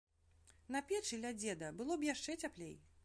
На печы, ля дзеда, было б яшчэ цяплей.